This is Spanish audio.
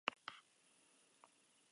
Ella es consciente de lo que sucede.